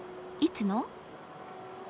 いつの？